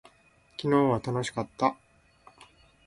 昨日は楽しかった。